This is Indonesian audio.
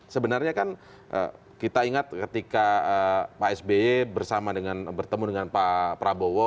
sebenarnya kan kita ingat ketika pak sby bersama dengan bertemu dengan pak prabowo